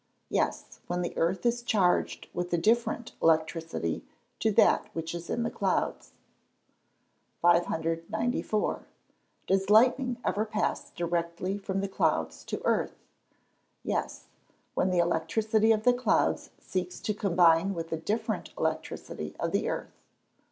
_ Yes; when the earth is charged with a different electricity to that which is in the clouds. 594. Does lightning ever pass directly from the clouds to the earth? Yes; when the electricity of the clouds seeks to combine with the different electricity of the earth.